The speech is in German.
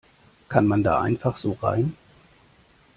Kann man da einfach so rein?